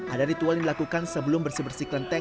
ada ritual yang dilakukan sebelum bersih bersih kelenteng